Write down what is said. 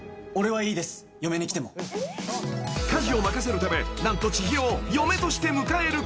［家事を任せるため何と知博を嫁として迎えることに］